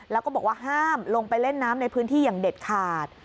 แล้วก็บอกว่าห้ามลงไปเล่นน้ำในพื้นที่อย่างเด็ดขาด